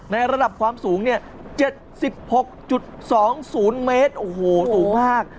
ในระดับความสูง๗๖๒๐เมตรโอ้โฮสูงมาก